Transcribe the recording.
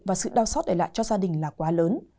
và sự đau xót để lại cho gia đình là quá lớn